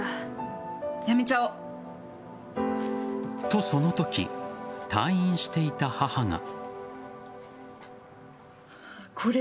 と、そのとき退院していた母が。